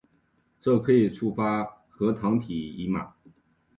这可以触发核糖体移码。